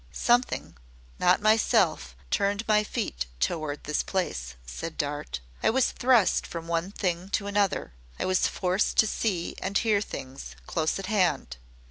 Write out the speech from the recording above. "Something not myself turned my feet toward this place," said Dart. "I was thrust from one thing to another. I was forced to see and hear things close at hand.